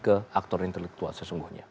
ke aktor intelektual sesungguhnya